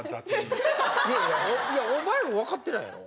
いやいやお前も分かってないやろ？